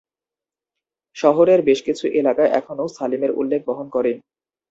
শহরের বেশ কিছু এলাকা এখনও সালিমের উল্লেখ বহন করে।